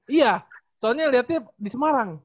iya soalnya lihatnya di semarang